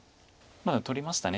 まあ取りました。